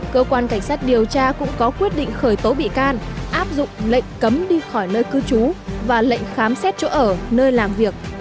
cơ quan cảnh sát điều tra cũng có quyết định khởi tố bị can áp dụng lệnh cấm đi khỏi nơi cư trú và lệnh khám xét chỗ ở nơi làm việc